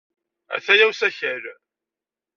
Ataya usakal.